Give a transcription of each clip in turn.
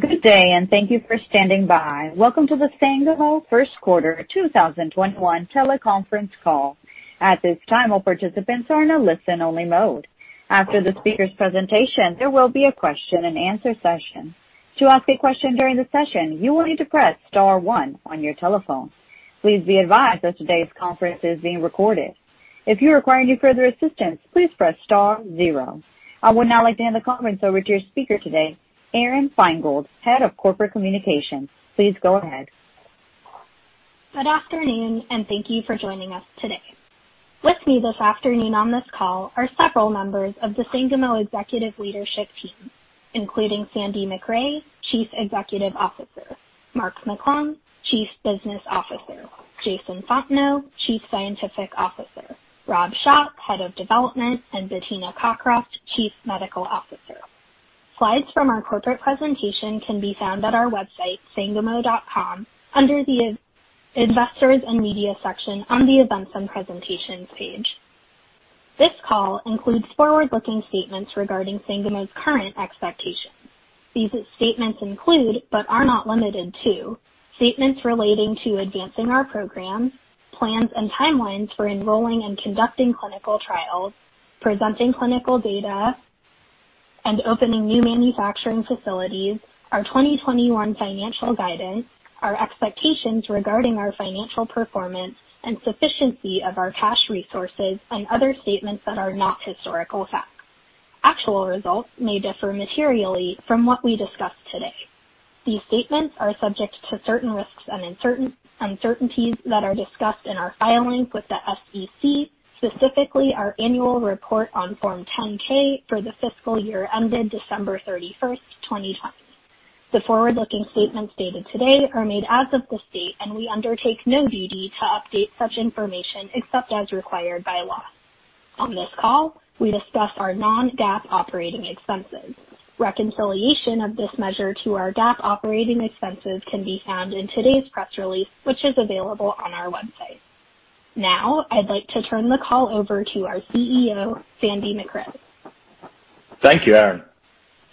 Good day, and thank you for standing by. Welcome to the Sangamo first quarter 2021 teleconference call. At this time, all participants are in a listen-only mode. After the speakers' presentation, there will be a question and answer session. To ask a question during the session, you will need to press star one on your telephone. Please be advised that today's conference is being recorded. If you require any further assistance, please press star zero. I would now like to hand the conference over to your speaker today, Aron Feingold, Head of Corporate Communications. Please go ahead. Good afternoon, and thank you for joining us today. With me this afternoon on this call are several members of the Sangamo executive leadership team, including Sandy Macrae, Chief Executive Officer, Mark McClung, Chief Business Officer, Jason Fontenot, Chief Scientific Officer, Rob Schott, Head of Development, and Bettina Cockroft, Chief Medical Officer. Slides from our corporate presentation can be found at our website, sangamo.com, under the investors and media section on the events and presentations page. This call includes forward-looking statements regarding Sangamo's current expectations. These statements include, but are not limited to, statements relating to advancing our program, plans and timelines for enrolling and conducting clinical trials, presenting clinical data, and opening new manufacturing facilities, our 2021 financial guidance, our expectations regarding our financial performance and sufficiency of our cash resources, and other statements that are not historical facts. Actual results may differ materially from what we discuss today. These statements are subject to certain risks and uncertainties that are discussed in our filings with the SEC, specifically our annual report on Form 10-K for the fiscal year ended December 31, 2020. The forward-looking statements stated today are made as of this date, and we undertake no duty to update such information except as required by law. On this call, we discuss our non-GAAP operating expenses. Reconciliation of this measure to our GAAP operating expenses can be found in today's press release, which is available on our website. Now, I'd like to turn the call over to our CEO, Sandy Macrae. Thank you, Aron,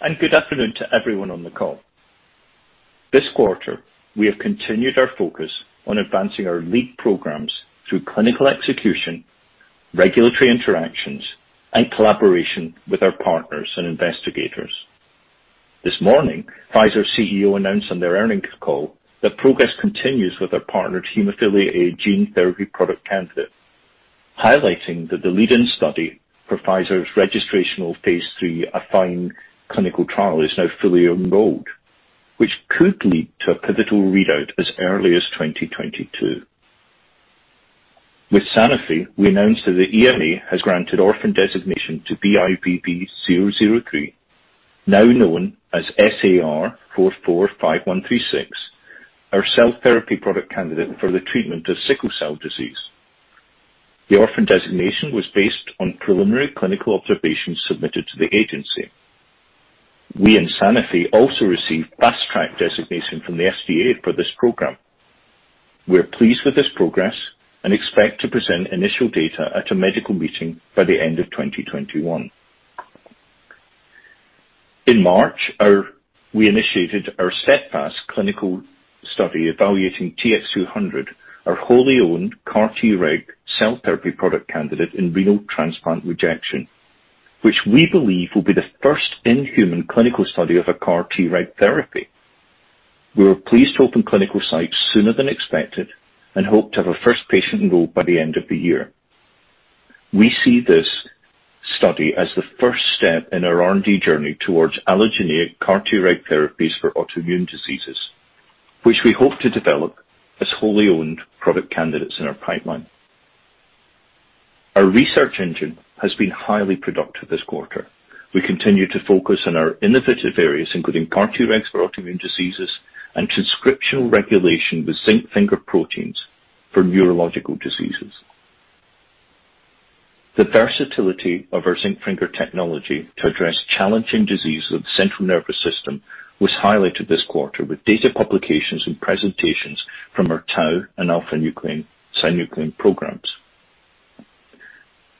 and good afternoon to everyone on the call. This quarter, we have continued our focus on advancing our lead programs through clinical execution, regulatory interactions, and collaboration with our partners and investigators. This morning, Pfizer's CEO announced on their earnings call that progress continues with our partner hemophilia A gene therapy product candidate, highlighting that the lead-in study for Pfizer's registrational phase III AFFINE clinical trial is now fully enrolled, which could lead to a pivotal readout as early as 2022. With Sanofi, we announced that the EMA has granted orphan designation to BIVV003, now known as SAR 445136, our cell therapy product candidate for the treatment of sickle cell disease. The orphan designation was based on preliminary clinical observations submitted to the agency. We and Sanofi also received Fast Track designation from the FDA for this program. We're pleased with this progress and expect to present initial data at a medical meeting by the end of 2021. In March, we initiated our STEADFAST Phase I/II clinical study evaluating TX200, our wholly-owned CAR-Treg cell therapy product candidate for kidney transplant rejection, which we believe will be the first in-human clinical study of a CAR-Treg therapy. We were pleased to open clinical sites sooner than expected and hope to have our first patient enrolled by the end of the year. We see this study as the first step in our R&D journey towards allogeneic CAR-Treg therapies for autoimmune diseases, which we hope to develop as wholly owned product candidates in our pipeline. Our research engine has been highly productive this quarter. We continue to focus on our innovative areas, including CAR-Tregs for autoimmune diseases and transcriptional regulation with zinc finger proteins for neurological diseases. The versatility of our zinc finger technology to address challenging diseases of the central nervous system was highlighted this quarter with data publications and presentations from our tau and alpha-synuclein programs.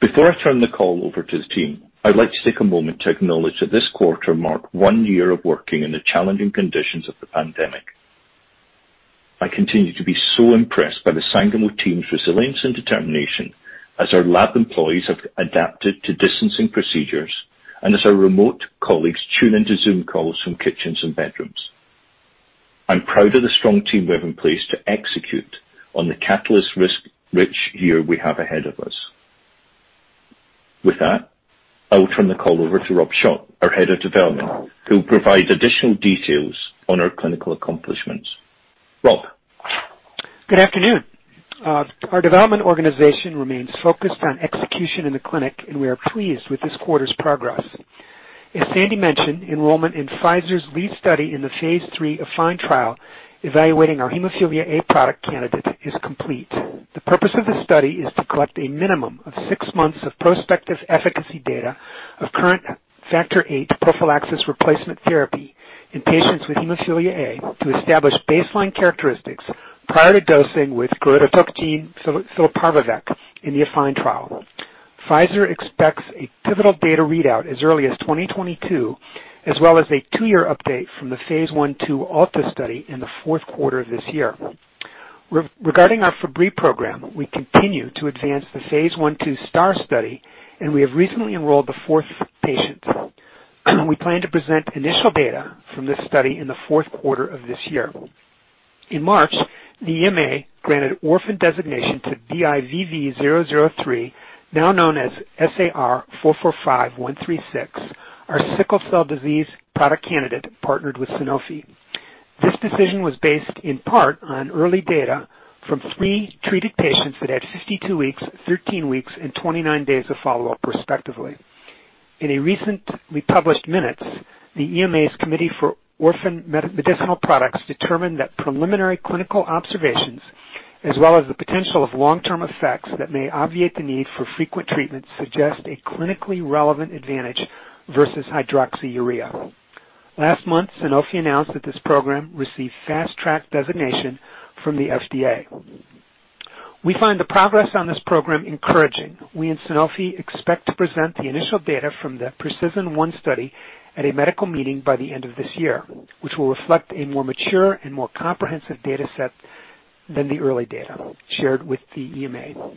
Before I turn the call over to the team, I'd like to take a moment to acknowledge that this quarter marked one year of working in the challenging conditions of the pandemic. I continue to be so impressed by the Sangamo team's resilience and determination as our lab employees have adapted to distancing procedures and as our remote colleagues tune into Zoom calls from kitchens and bedrooms. I'm proud of the strong team we have in place to execute on the catalyst-rich year we have ahead of us. With that, I will turn the call over to Rob Schott, our Head of Development, who will provide additional details on our clinical accomplishments. Rob. Good afternoon. Our development organization remains focused on execution in the clinic, and we are pleased with this quarter's progress. As Sandy mentioned, enrollment in Pfizer's lead study in the phase III AFFINE trial evaluating our hemophilia A product candidate is complete. The purpose of the study is to collect a minimum of six months of prospective efficacy data of current Factor VIII prophylaxis replacement therapy in patients with hemophilia A to establish baseline characteristics prior to dosing with giroctocogene fitelparvovec in the AFFINE trial. Pfizer expects a pivotal data readout as early as 2022, as well as a two-year update from the Phase I/II ALTA study in the fourth quarter of this year. Regarding our Fabry program, we continue to advance the Phase I/II STAAR study, and we have recently enrolled the fourth patient. We plan to present initial data from this study in the fourth quarter of this year. In March, the EMA granted Orphan designation to BIVV003, now known as SAR 445136, our sickle cell disease product candidate partnered with Sanofi. This decision was based in part on early data from three treated patients that had 52 weeks, 13 weeks, and 29 days of follow-up respectively. In a recently published minutes, the EMA's Committee for Orphan Medicinal Products determined that preliminary clinical observations, as well as the potential of long-term effects that may obviate the need for frequent treatment, suggest a clinically relevant advantage versus hydroxyurea. Last month, Sanofi announced that this program received Fast Track designation from the FDA. We find the progress on this program encouraging. We and Sanofi expect to present the initial data from the PRECISION 1 study at a medical meeting by the end of this year, which will reflect a more mature and more comprehensive data set than the early data shared with the EMA.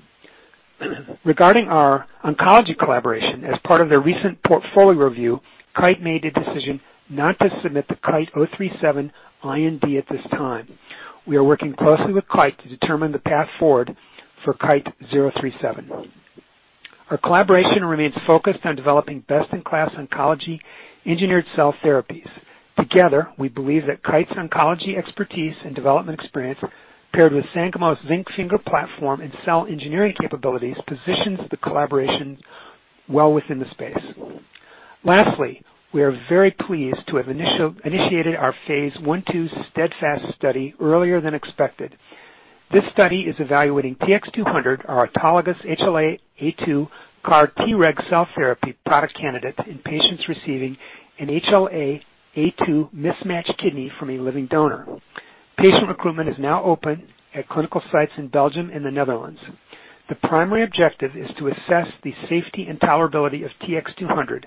Regarding our oncology collaboration, as part of their recent portfolio review, Kite made a decision not to submit the KITE-037 IND at this time. We are working closely with Kite to determine the path forward for KITE-037. Our collaboration remains focused on developing best-in-class oncology engineered cell therapies. Together, we believe that Kite's oncology expertise and development experience, paired with Sangamo's zinc finger platform and cell engineering capabilities, positions the collaboration well within the space. Lastly, we are very pleased to have initiated our phase I/II STEADFAST study earlier than expected. This study is evaluating TX200, our autologous HLA-A2 CAR-Treg cell therapy product candidate in patients receiving an HLA-A2 mismatched kidney from a living donor. Patient recruitment is now open at clinical sites in Belgium and the Netherlands. The primary objective is to assess the safety and tolerability of TX200.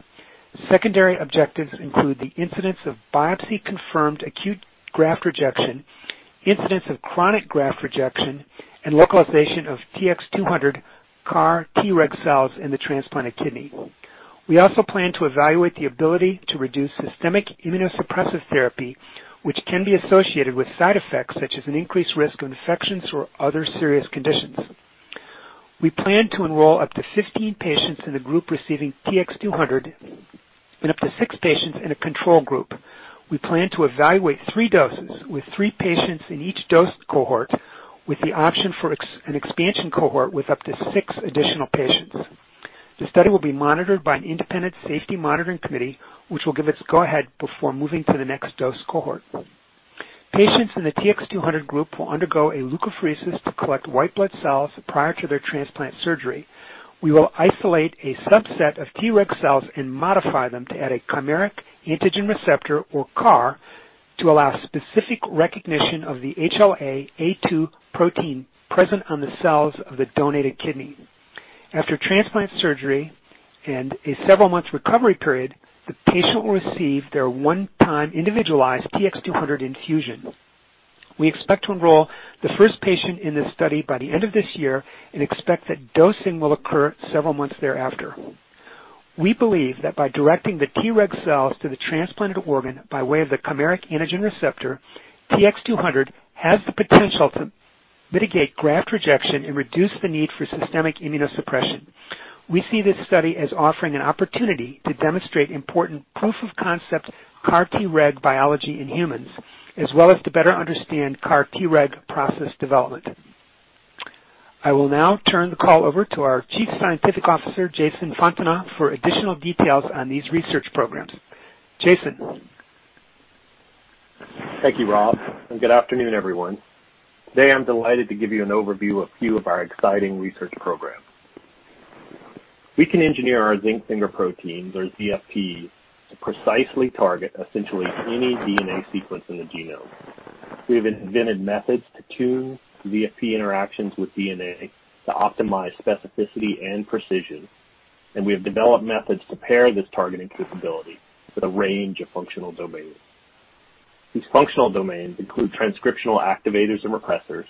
Secondary objectives include the incidence of biopsy-confirmed acute graft rejection, incidence of chronic graft rejection, and localization of TX200 CAR-Treg cells in the transplanted kidney. We also plan to evaluate the ability to reduce systemic immunosuppressive therapy, which can be associated with side effects such as an increased risk of infections or other serious conditions. We plan to enroll up to 15 patients in a group receiving TX200 and up to six patients in a control group. We plan to evaluate three doses with three patients in each dose cohort, with the option for an expansion cohort with up to six additional patients. The study will be monitored by an independent safety monitoring committee, which will give its go-ahead before moving to the next dose cohort. Patients in the TX200 group will undergo a leukapheresis to collect white blood cells prior to their transplant surgery. We will isolate a subset of T-reg cells and modify them to add a chimeric antigen receptor, or CAR, to allow specific recognition of the HLA-A2 protein present on the cells of the donated kidney. After transplant surgery and a several months recovery period, the patient will receive their one-time individualized TX200 infusion. We expect to enroll the first patient in this study by the end of this year and expect that dosing will occur several months thereafter. We believe that by directing the T-reg cells to the transplanted organ by way of the chimeric antigen receptor, TX200 has the potential to mitigate graft rejection and reduce the need for systemic immunosuppression. We see this study as offering an opportunity to demonstrate important proof of concept CAR-Treg biology in humans, as well as to better understand CAR-Treg process development. I will now turn the call over to our Chief Scientific Officer, Jason Fontenot, for additional details on these research programs. Jason? Thank you, Rob, and good afternoon, everyone. Today, I'm delighted to give you an overview of a few of our exciting research programs. We can engineer our zinc finger proteins, or ZFPs, to precisely target essentially any DNA sequence in the genome. We have invented methods to tune ZFP interactions with DNA to optimize specificity and precision, and we have developed methods to pair this targeting capability with a range of functional domains. These functional domains include transcriptional activators and repressors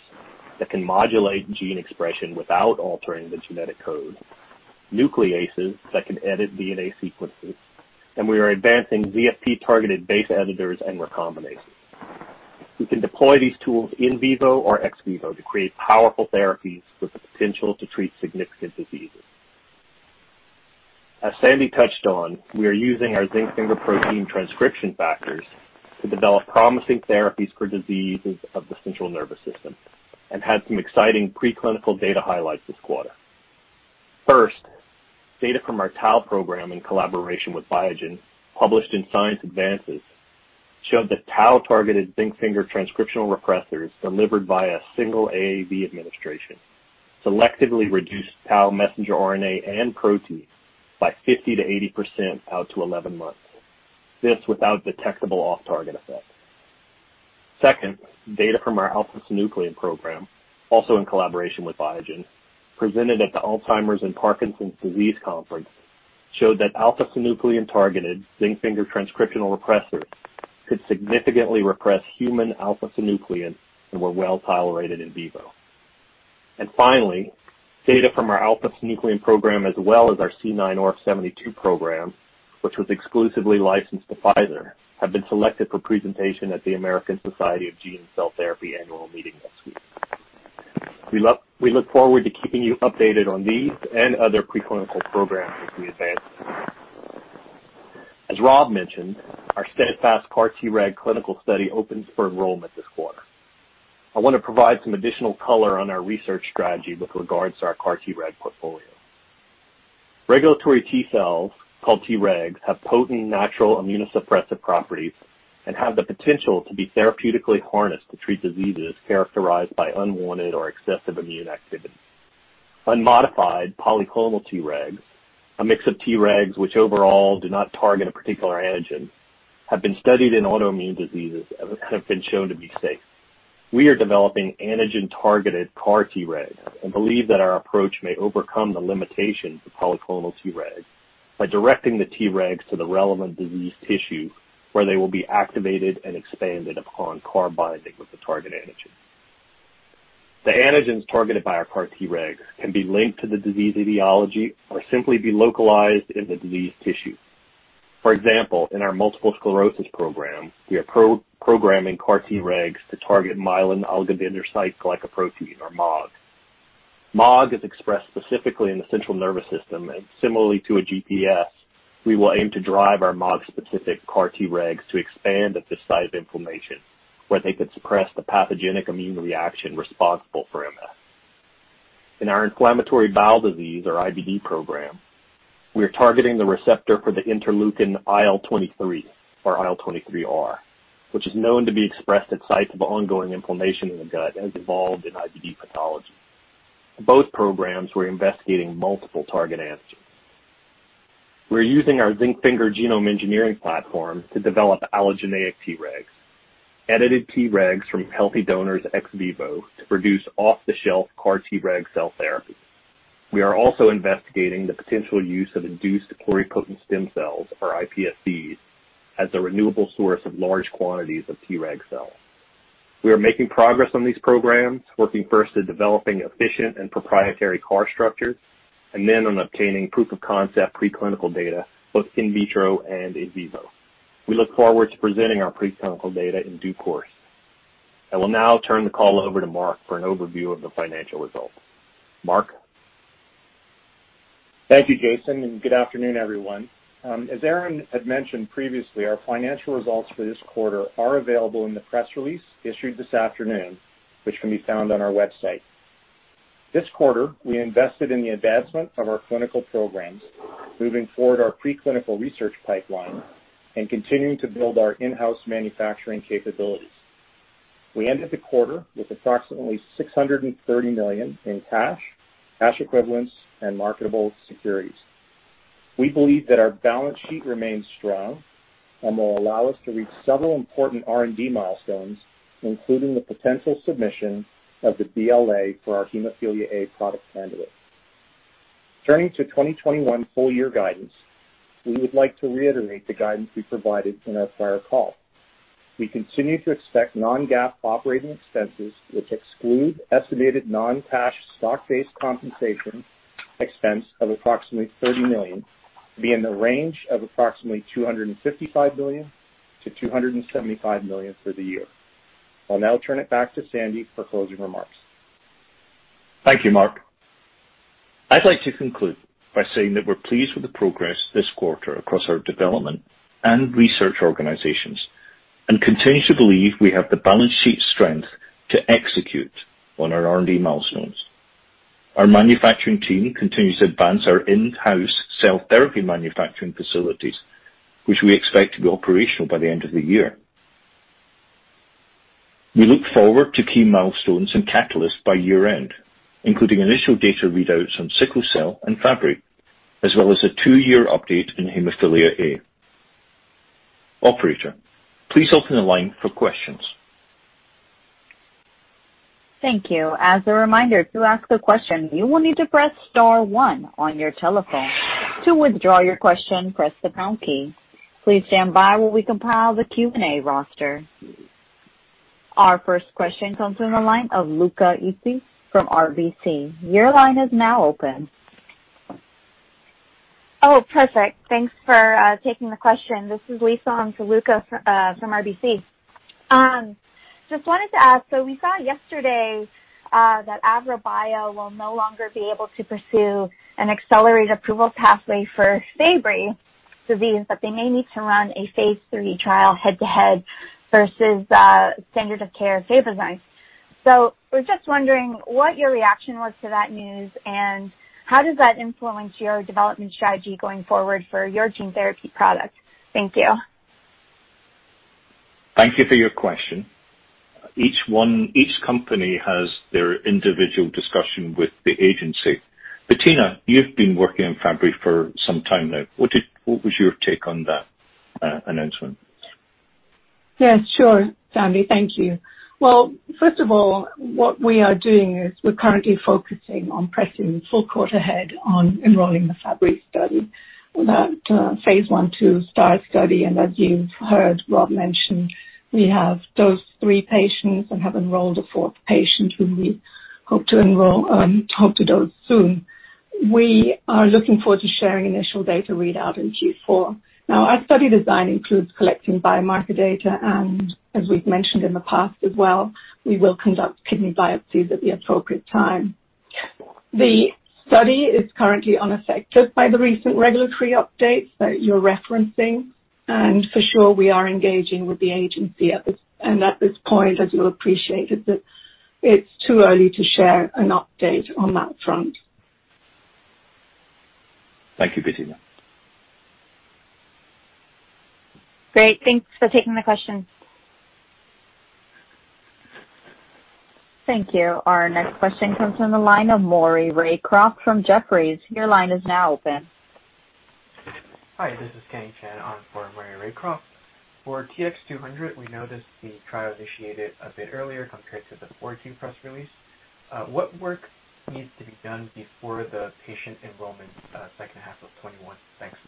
that can modulate gene expression without altering the genetic code, nucleases that can edit DNA sequences, and we are advancing ZFP-targeted base editors and recombinases. We can deploy these tools in vivo or ex vivo to create powerful therapies with the potential to treat significant diseases. As Sandy touched on, we are using our zinc finger protein transcription factors to develop promising therapies for diseases of the central nervous system and had some exciting preclinical data highlights this quarter. First, data from our tau program in collaboration with Biogen, published in Science Advances, showed that tau-targeted zinc finger transcriptional repressors delivered via single AAV administration selectively reduced tau messenger RNA and protein by 50%-80% out to 11 months. This without detectable off-target effects. Second, data from our alpha-synuclein program, also in collaboration with Biogen, presented at the Alzheimer's and Parkinson's Disease Conference, showed that alpha-synuclein-targeted zinc finger transcriptional repressors could significantly repress human alpha-synuclein and were well-tolerated in vivo. Finally, data from our alpha-synuclein program as well as our C9orf72 program, which was exclusively licensed to Pfizer, have been selected for presentation at the American Society of Gene & Cell Therapy annual meeting next week. We look forward to keeping you updated on these and other preclinical programs as we advance. As Rob mentioned, our STEADFAST CAR-Treg clinical study opens for enrollment this quarter. I want to provide some additional color on our research strategy with regards to our CAR-Treg portfolio. Regulatory T cells, called Tregs, have potent natural immunosuppressive properties and have the potential to be therapeutically harnessed to treat diseases characterized by unwanted or excessive immune activity. Unmodified polyclonal Tregs, a mix of Tregs which overall do not target a particular antigen, have been studied in autoimmune diseases and have been shown to be safe. We are developing antigen-targeted CAR-Tregs and believe that our approach may overcome the limitations of polyclonal Tregs by directing the Tregs to the relevant diseased tissue, where they will be activated and expanded upon CAR binding with the target antigen. The antigens targeted by our CAR-Tregs can be linked to the disease etiology or simply be localized in the diseased tissue. For example, in our multiple sclerosis program, we are programming CAR-Tregs to target myelin oligodendrocyte glycoprotein, or MOG. MOG is expressed specifically in the central nervous system, and similarly to a GPS, we will aim to drive our MOG-specific CAR-Tregs to expand at the site of inflammation, where they could suppress the pathogenic immune reaction responsible for MS. In our inflammatory bowel disease, or IBD program, we are targeting the receptor for the interleukin IL-23, or IL-23R, which is known to be expressed at sites of ongoing inflammation in the gut and is involved in IBD pathology. In both programs, we're investigating multiple target antigens. We're using our zinc finger genome engineering platform to develop allogeneic Tregs, edited Tregs from healthy donors ex vivo to produce off-the-shelf CAR-Treg cell therapy. We are also investigating the potential use of induced pluripotent stem cells, or iPSCs, as a renewable source of large quantities of Treg cells. We are making progress on these programs, working first at developing efficient and proprietary CAR structures, and then on obtaining proof-of-concept preclinical data both in vitro and in vivo. We look forward to presenting our preclinical data in due course. I will now turn the call over to Mark for an overview of the financial results. Mark? Thank you, Jason Fontenot. Good afternoon, everyone. As Aron Feingold had mentioned previously, our financial results for this quarter are available in the press release issued this afternoon, which can be found on our website. This quarter, we invested in the advancement of our clinical programs, moving forward our preclinical research pipeline and continuing to build our in-house manufacturing capabilities. We ended the quarter with approximately $630 million in cash equivalents, and marketable securities. We believe that our balance sheet remains strong and will allow us to reach several important R&D milestones, including the potential submission of the BLA for our Hemophilia A product candidate. Turning to 2021 full-year guidance, we would like to reiterate the guidance we provided in our prior call. We continue to expect non-GAAP operating expenses, which exclude estimated non-cash stock-based compensation expense of approximately $30 million, be in the range of approximately $255 million-$275 million for the year. I'll now turn it back to Sandy for closing remarks. Thank you, Mark. I'd like to conclude by saying that we're pleased with the progress this quarter across our development and research organizations, and continue to believe we have the balance sheet strength to execute on our R&D milestones. Our manufacturing team continues to advance our in-house cell therapy manufacturing facilities, which we expect to be operational by the end of the year. We look forward to key milestones and catalysts by year-end, including initial data readouts on sickle cell and Fabry, as well as a two-year update in hemophilia A. Operator, please open the line for questions. Thank you. Our first question comes from the line of Luca Issi from RBC. Your line is now open. Oh, perfect. Thanks for taking the question. This is Lisa on for Luca from RBC. Just wanted to ask, we saw yesterday that Avrobio will no longer be able to pursue an accelerated approval pathway for Fabry disease, but they may need to run a phase III trial head-to-head versus standard of care Fabry enzyme. We're just wondering what your reaction was to that news, and how does that influence your development strategy going forward for your gene therapy products? Thank you. Thank you for your question. Each company has their individual discussion with the agency. Bettina, you've been working on Fabry for some time now. What was your take on that announcement? Yeah, sure. Sandy, thank you. Well, first of all, what we are doing is we're currently focusing on pressing full quarter ahead on enrolling the Fabry study. That phase I/II STAAR study, and as you've heard Rob mention, we have dosed three patients and have enrolled a fourth patient who we hope to dose soon. We are looking forward to sharing initial data readout in Q4. Our study design includes collecting biomarker data, and as we've mentioned in the past as well, we will conduct kidney biopsies at the appropriate time. The study is currently unaffected by the recent regulatory updates that you're referencing. For sure, we are engaging with the agency. At this point, as you'll appreciate, it's too early to share an update on that front. Thank you, Bettina. Great. Thanks for taking the question. Thank you. Our next question comes from the line of Maury Raycroft from Jefferies. Your line is now open. Hi, this is Kenneth Chan on for Maury Raycroft. For TX200, we noticed the trial initiated a bit earlier compared to the 4-2 press release. What work needs to be done before the patient enrollment second half of 2021? Thanks.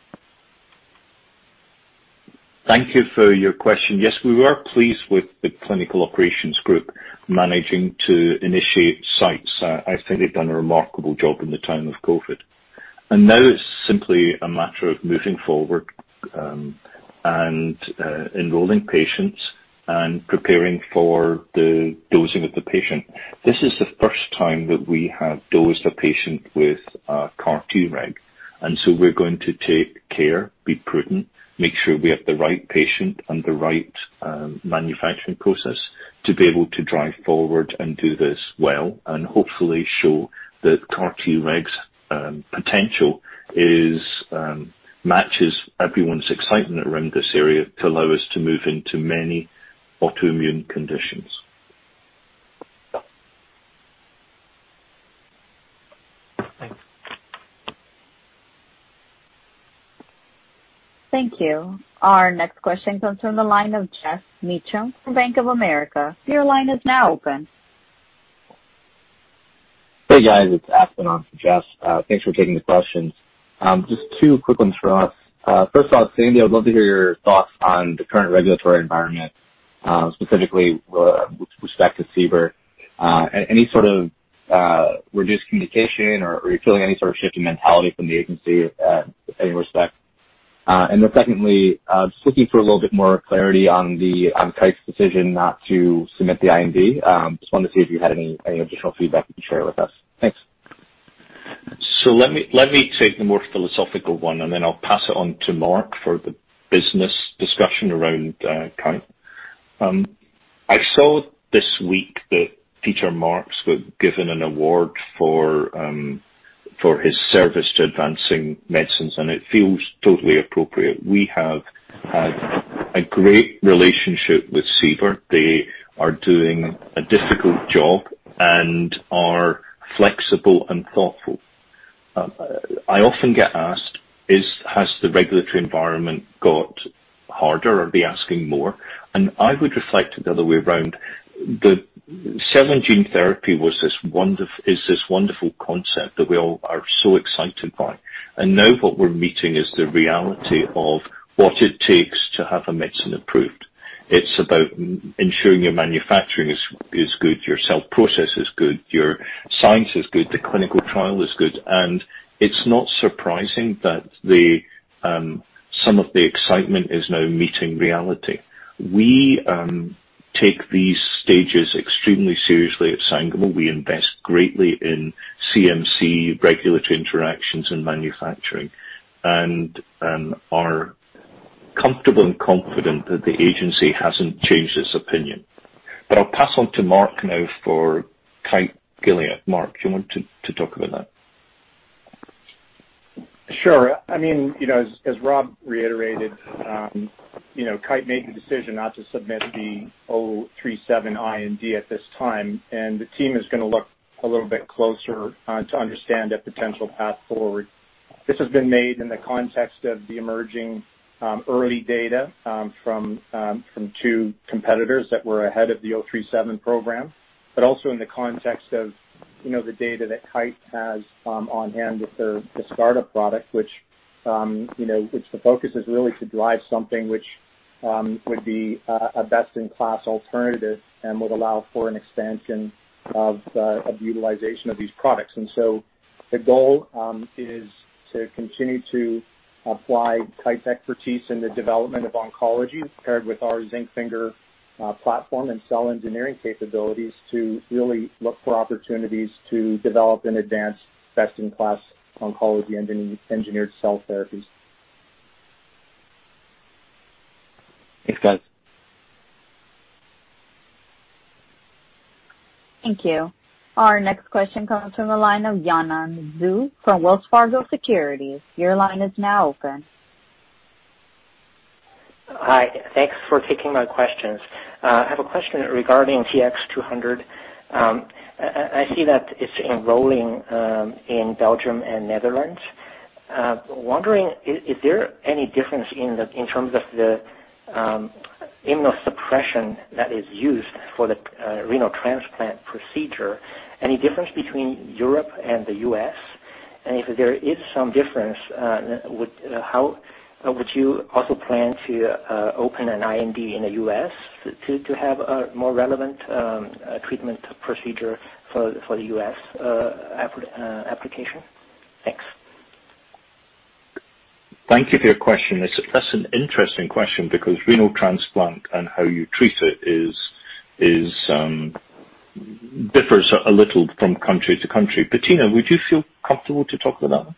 Thank you for your question. Yes, we were pleased with the clinical operations group managing to initiate sites. I think they've done a remarkable job in the time of COVID. Now it's simply a matter of moving forward and enrolling patients and preparing for the dosing of the patient. This is the first time that we have dosed a patient with CAR-Treg. We're going to take care, be prudent, make sure we have the right patient and the right manufacturing process to be able to drive forward and do this well. Hopefully show that CAR-Treg's potential matches everyone's excitement around this area to allow us to move into many autoimmune conditions. Thanks. Thank you. Our next question comes from the line of Geoff Meacham from Bank of America. Hey, guys. It's Aspen on for Geoff. Thanks for taking the questions. Just two quick ones from us. First off, Sandy, I would love to hear your thoughts on the current regulatory environment, specifically with respect to CBER. Any sort of reduced communication, or are you feeling any sort of shift in mentality from the agency with any respect? Then secondly, just looking for a little bit more clarity on the Kite's decision not to submit the IND. Just wanted to see if you had any additional feedback you can share with us. Thanks. Let me take the more philosophical one, and then I'll pass it on to Mark for the business discussion around Kite. I saw this week that Peter Marks was given an award for his service to advancing medicines, and it feels totally appropriate. We have had a great relationship with CBER. They are doing a difficult job and are flexible and thoughtful. I often get asked, has the regulatory environment got harder or are they asking more? I would reflect it the other way around. The cell and gene therapy is this wonderful concept that we all are so excited by. Now what we're meeting is the reality of what it takes to have a medicine approved. It's about ensuring your manufacturing is good, your cell process is good, your science is good, the clinical trial is good. It's not surprising that some of the excitement is now meeting reality. We take these stages extremely seriously at Sangamo. We invest greatly in CMC regulatory interactions and manufacturing and are comfortable and confident that the agency hasn't changed its opinion. I'll pass on to Mark now for Kite, Gilead. Mark, do you want to talk about that? Sure. As Rob reiterated, Kite made the decision not to submit the 037 IND at this time. The team is going to look a little bit closer to understand a potential path forward. This has been made in the context of the emerging early data from two competitors that were ahead of the 037 program. Also in the context of the data that Kite has on hand with the startup product, which the focus is really to drive something which would be a best-in-class alternative and would allow for an expansion of the utilization of these products. The goal is to continue to apply Kite's expertise in the development of oncology paired with our zinc finger platform and cell engineering capabilities to really look for opportunities to develop and advance best-in-class oncology engineered cell therapies. Thanks, guys. Thank you. Our next question comes from a line of Yanan Zhu from Wells Fargo Securities. Your line is now open. Hi. Thanks for taking my questions. I have a question regarding TX200. I see that it's enrolling in Belgium and Netherlands. Wondering, is there any difference in terms of the immunosuppression that is used for the renal transplant procedure, any difference between Europe and the U.S.? If there is some difference, would you also plan to open an IND in the U.S. to have a more relevant treatment procedure for the U.S. application? Thanks. Thank you for your question. That's an interesting question because renal transplant and how you treat it differs a little from country to country. Bettina, would you feel comfortable to talk about that?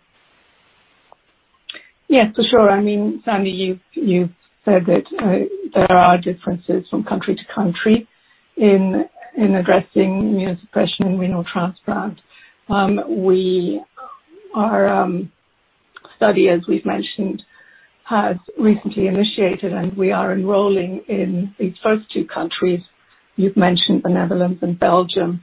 Yes, for sure. I mean, Sandy, you've said that there are differences from country to country in addressing immunosuppression in renal transplant. Our study, as we've mentioned, has recently initiated, and we are enrolling in these first two countries. You've mentioned the Netherlands and Belgium.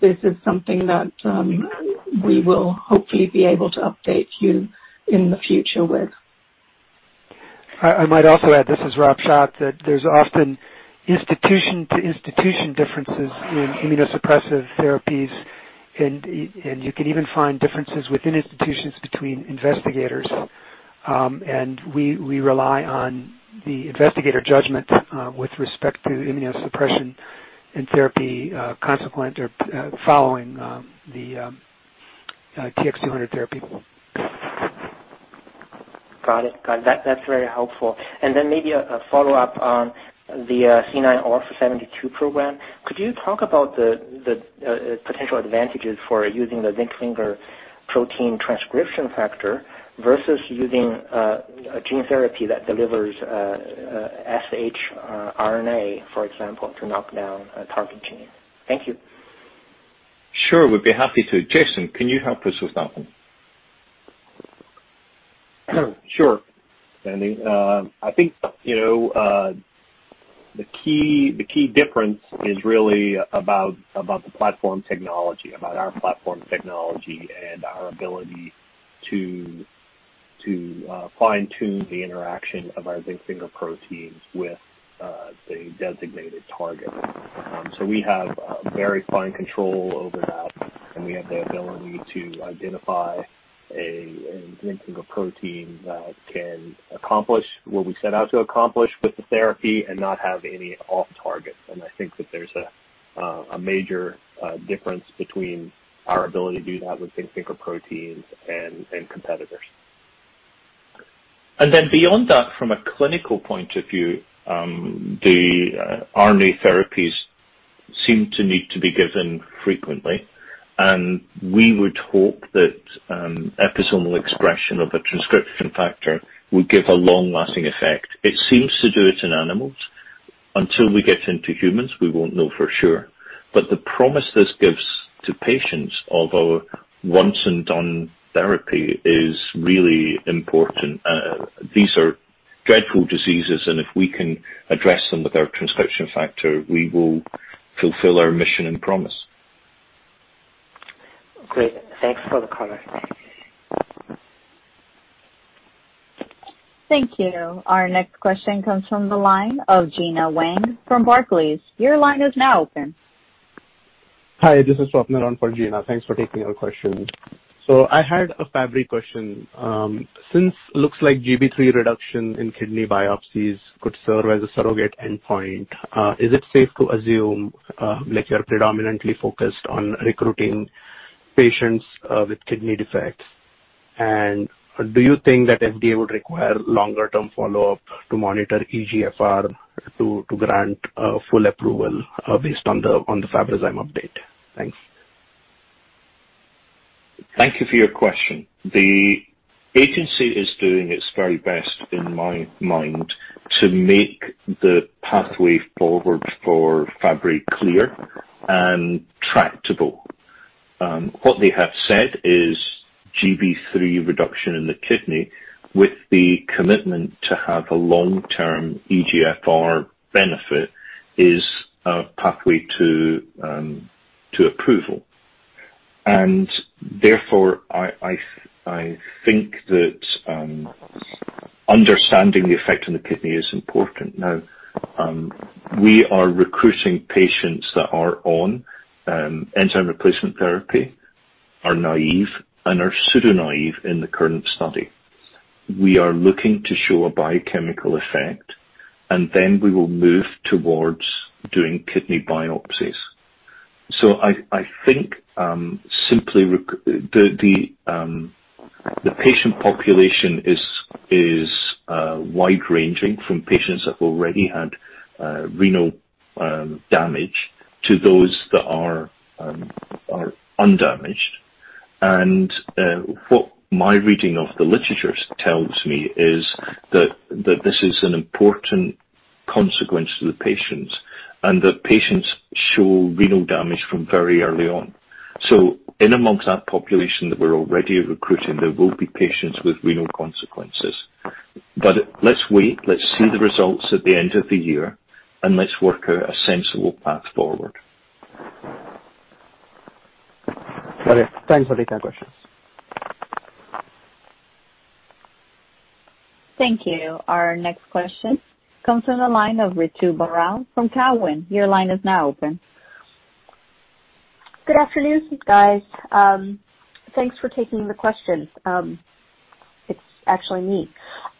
This is something that we will hopefully be able to update you in the future with. I might also add, this is Rob Schott, that there's often institution-to-institution differences in immunosuppressive therapies, and you can even find differences within institutions between investigators. We rely on the investigator judgment with respect to immunosuppression and therapy consequent or following the TX200 therapy. Got it. That's very helpful. Maybe a follow-up on the C9orf72 program. Could you talk about the potential advantages for using the zinc finger protein transcription factor versus using a gene therapy that delivers shRNA, for example, to knock down a target gene? Thank you. Sure, would be happy to. Jason, can you help us with that one? Sure, Sandy. I think the key difference is really about the platform technology, about our platform technology and our ability to fine-tune the interaction of our zinc finger proteins with the designated target. We have very fine control over that, and we have the ability to identify a zinc finger protein that can accomplish what we set out to accomplish with the therapy and not have any off targets. I think that there's a major difference between our ability to do that with zinc finger proteins and competitors. Beyond that, from a clinical point of view, the RNA therapies seem to need to be given frequently. We would hope that episomal expression of a transcription factor would give a long-lasting effect. It seems to do it in animals. Until we get into humans, we won't know for sure. The promise this gives to patients of a once and done therapy is really important. These are dreadful diseases, and if we can address them with our transcription factor, we will fulfill our mission and promise. Great. Thanks for the color. Thank you. Our next question comes from the line of Gena Wang from Barclays. Your line is now open. Hi, this is Swapnil on for Gena Wang. Thanks for taking our question. I had a Fabry question. Since looks like Gb3 reduction in kidney biopsies could serve as a surrogate endpoint, is it safe to assume, like you're predominantly focused on recruiting patients with kidney defects? Do you think that FDA would require longer-term follow-up to monitor eGFR to grant full approval based on the FABRAZYME update? Thanks. Thank you for your question. The agency is doing its very best, in my mind, to make the pathway forward for Fabry clear and tractable. What they have said is Gb3 reduction in the kidney with the commitment to have a long-term eGFR benefit is a pathway to approval. Therefore, I think that understanding the effect on the kidney is important. We are recruiting patients that are on enzyme replacement therapy, are naive, and are pseudo-naive in the current study. We are looking to show a biochemical effect, and then we will move towards doing kidney biopsies. I think the patient population is wide-ranging from patients that've already had renal damage to those that are undamaged. What my reading of the literature tells me is that this is an important consequence to the patients, and that patients show renal damage from very early on. In amongst that population that we're already recruiting, there will be patients with renal consequences. Let's wait. Let's see the results at the end of the year, let's work out a sensible path forward. Okay. Thanks for taking our questions. Thank you. Our next question comes from the line of Ritu Baral from Cowen. Your line is now open. Good afternoon, guys. Thanks for taking the questions. It's actually me.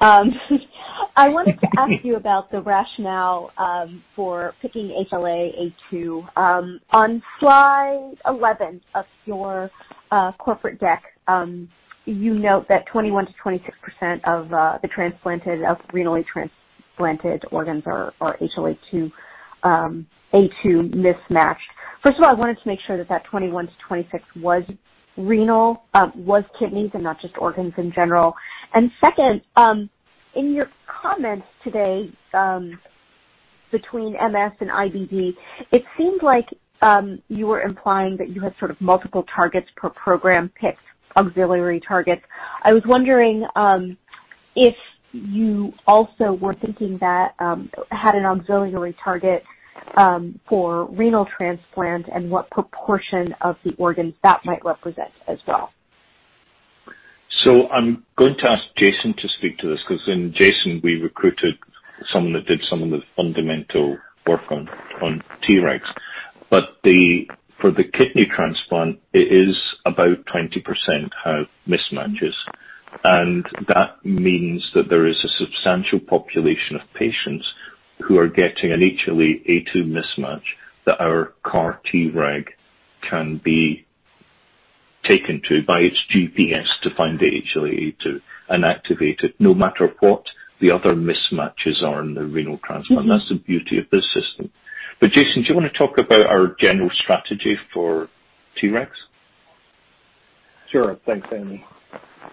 I wanted to ask you about the rationale for picking HLA-A2. On slide 11 of your corporate deck, you note that 21%-26% of renally transplanted organs are HLA-A2 mismatched. First of all, I wanted to make sure that 21-26 was renal, was kidneys, and not just organs in general. Second, in your comments today, between MS and IBD, it seemed like you were implying that you had sort of multiple targets per program pick auxiliary targets. I was wondering if you also were thinking that had an auxiliary target for renal transplant and what proportion of the organs that might represent as well. I'm going to ask Jason to speak to this because in Jason, we recruited someone that did some of the fundamental work on Tregs. For the kidney transplant, it is about 20% have mismatches, and that means that there is a substantial population of patients who are getting an HLA-A2 mismatch that our CAR-Treg can be taken to by its GPS to find the HLA-A2 and activate it no matter what the other mismatches are in the renal transplant. That's the beauty of this system. Jason, do you want to talk about our general strategy for Tregs? Sure. Thanks, Sandy.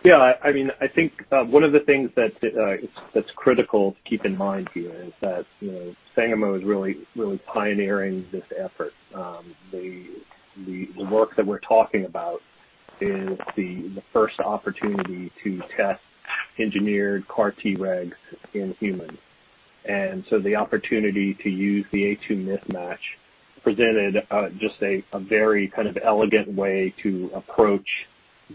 Yeah, I think one of the things that's critical to keep in mind here is that Sangamo is really pioneering this effort. The work that we're talking about is the first opportunity to test engineered CAR-Tregs in humans. The opportunity to use the A2 mismatch presented just a very elegant way to approach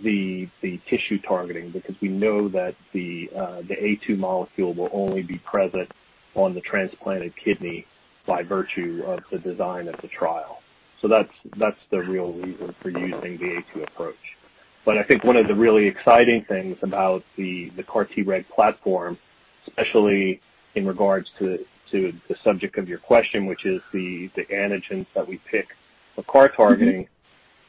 the tissue targeting because we know that the A2 molecule will only be present on the transplanted kidney by virtue of the design of the trial. That's the real reason for using the A2 approach. I think one of the really exciting things about the CAR-Treg platform, especially in regards to the subject of your question, which is the antigens that we pick for CAR targeting,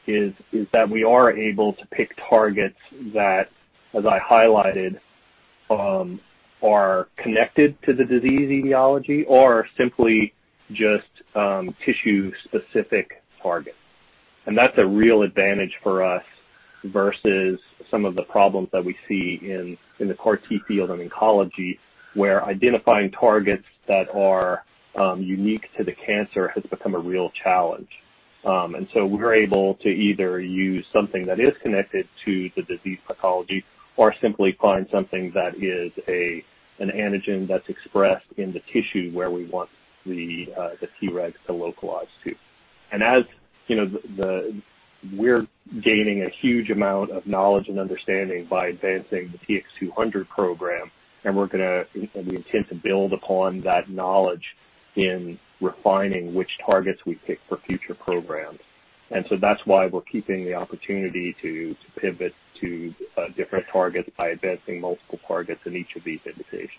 is that we are able to pick targets that, as I highlighted, are connected to the disease etiology or simply just tissue-specific targets. That's a real advantage for us versus some of the problems that we see in the CAR-T field and in oncology, where identifying targets that are unique to the cancer has become a real challenge. We're able to either use something that is connected to the disease pathology or simply find something that is an antigen that's expressed in the tissue where we want the Tregs to localize to. As we're gaining a huge amount of knowledge and understanding by advancing the TX200 program, and we intend to build upon that knowledge in refining which targets we pick for future programs. That's why we're keeping the opportunity to pivot to different targets by advancing multiple targets in each of these indications.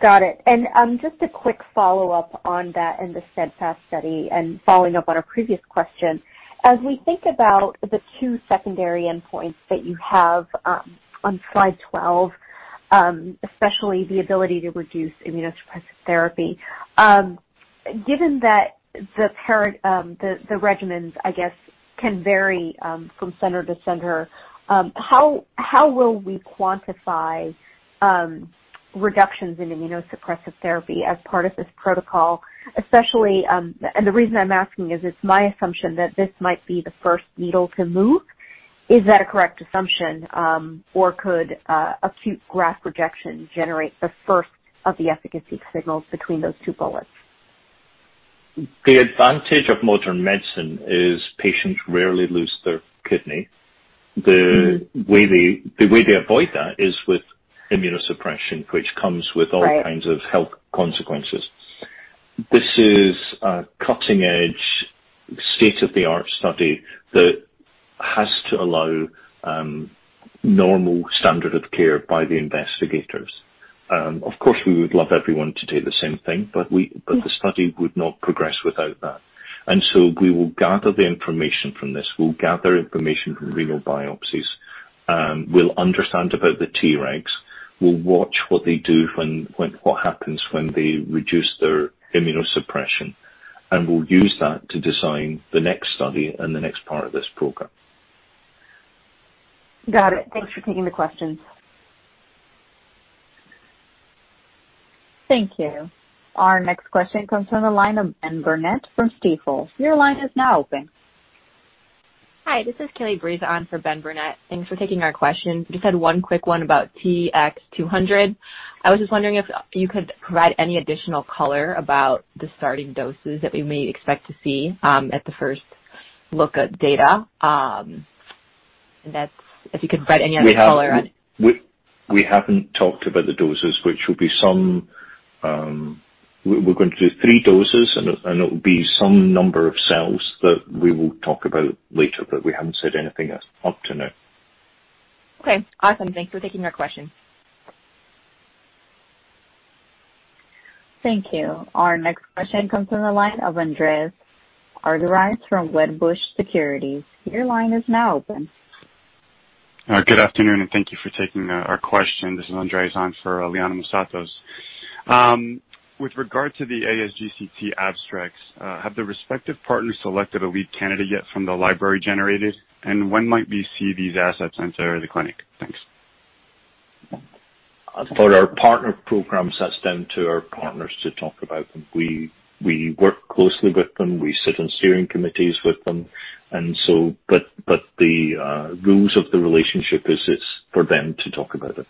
Just a quick follow-up on that and the STEADFAST study and following up on a previous question. As we think about the two secondary endpoints that you have on slide 12, especially the ability to reduce immunosuppressive therapy. Given that the regimens, I guess, can vary from center to center, how will we quantify reductions in immunosuppressive therapy as part of this protocol? The reason I'm asking is it's my assumption that this might be the first needle to move. Is that a correct assumption? Or could acute graft rejection generate the first of the efficacy signals between those two bullets? The advantage of modern medicine is patients rarely lose their kidney. The way they avoid that is with immunosuppression, which comes with all- Right kinds of health consequences. This is a cutting-edge, state-of-the-art study that has to allow normal standard of care by the investigators. Of course, we would love everyone to do the same thing, but the study would not progress without that. We will gather the information from this. We'll gather information from renal biopsies. We'll understand about the Tregs. We'll watch what they do, what happens when they reduce their immunosuppression, and we'll use that to design the next study and the next part of this program. Got it. Thanks for taking the questions. Thank you. Our next question comes from the line of Benjamin Burnett from Stifel. Your line is now open. Hi, this is Kelly Breese on for Benjamin Burnett. Thanks for taking our questions. Had one quick one about TX200. I was just wondering if you could provide any additional color about the starting doses that we may expect to see at the first look at data. If you could provide any other color on it. We haven't talked about the doses. We're going to do three doses. It will be some number of cells that we will talk about later. We haven't said anything up to now. Okay. Awesome. Thanks for taking our question. Thank you. Our next question comes from the line of Andreas Argyrides from Wedbush Securities. Your line is now open. Good afternoon, and thank you for taking our question. This is Andreas Argyrides on for Liana Moussatos. With regard to the ASGCT abstracts, have the respective partners selected a lead candidate yet from the library generated? When might we see these assets enter the clinic? Thanks. For our partner programs, that's down to our partners to talk about them. We work closely with them. We sit on steering committees with them. The rules of the relationship is it's for them to talk about it.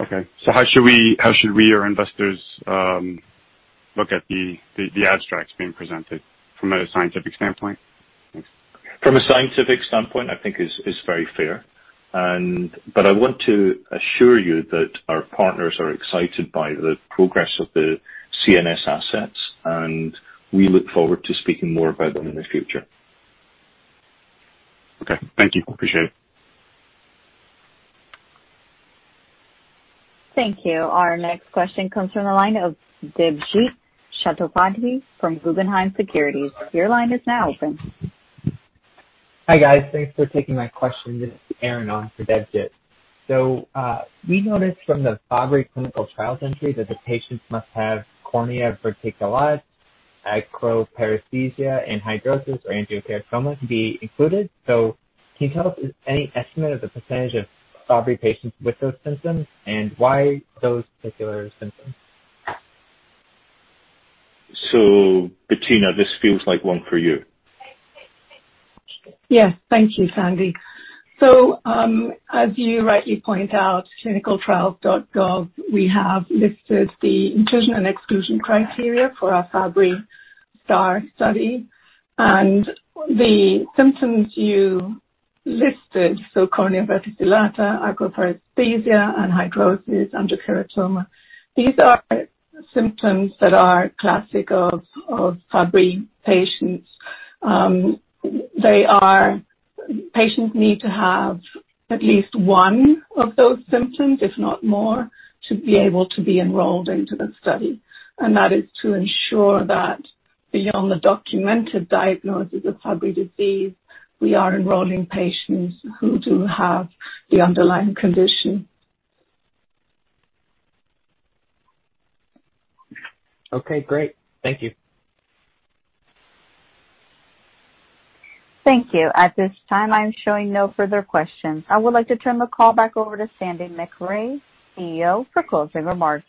Okay. How should we or investors look at the abstracts being presented from a scientific standpoint? Thanks. From a scientific standpoint, I think is very fair. I want to assure you that our partners are excited by the progress of the CNS assets, and we look forward to speaking more about them in the future. Okay. Thank you. Appreciate it. Thank you. Our next question comes from the line of Debjit Chattopadhyay from Guggenheim Securities. Your line is now open. Hi, guys. Thanks for taking my question. This is Aron on for Debjit. We noticed from the Fabry clinical trials entry that the patients must have cornea verticillata, acroparesthesia, anhidrosis, or angiokeratoma to be included. Can you tell us any estimate of the percentage of Fabry patients with those symptoms, and why those particular symptoms? Bettina, this feels like one for you. Yes. Thank you, Sandy. As you rightly point out, ClinicalTrials.gov, we have listed the inclusion and exclusion criteria for our Fabry STAAR study. The symptoms you listed, cornea verticillata, acroparesthesia, anhidrosis, angiokeratoma, these are symptoms that are classic of Fabry patients. Patients need to have at least one of those symptoms, if not more, to be able to be enrolled into the study. That is to ensure that beyond the documented diagnosis of Fabry disease, we are enrolling patients who do have the underlying condition. Okay, great. Thank you. Thank you. At this time, I'm showing no further questions. I would like to turn the call back over to Sandy Macrae, CEO, for closing remarks.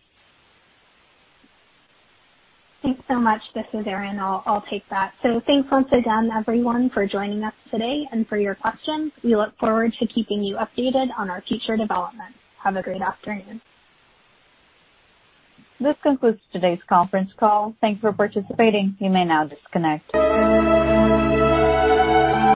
Thanks so much. This is Aron. I'll take that. Thanks once again, everyone, for joining us today and for your questions. We look forward to keeping you updated on our future developments. Have a great afternoon. This concludes today's conference call. Thanks for participating. You may now disconnect.